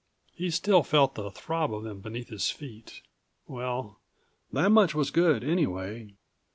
He still felt the throb of them beneath his feet. Well, that much was good anyway.